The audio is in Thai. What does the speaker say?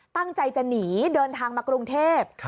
ตั้งใจจะหนีเดินทางมากรุงเทพ